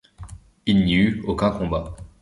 Il n'y eut aucun combat.